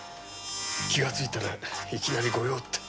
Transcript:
気がついたらいきなり「御用」って。